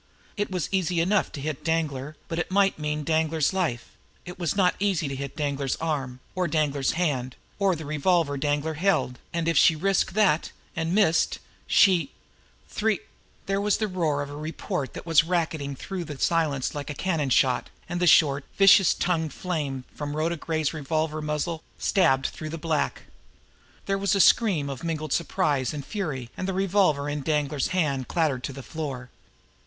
It was easy enough to hit Danglar, but that might mean Danglar's life; it was not so easy to hit Danglar's arm, or Danglar's hand, or the revolver Danglar held, and if she risked that and missed, she... "Thr " There was the roar of a report that went racketing through the silence like a cannon shot, and the short, vicious tongue flame from Rhoda Gray's revolver muzzle stabbed through the black. There was a scream of mingled surprise and fury, and the revolver in Danglar's hand clattered to the floor.